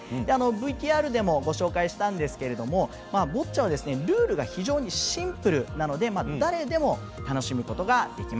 ＶＴＲでもご紹介したんですがボッチャはルールが非常にシンプルなので誰でも楽しむことができます。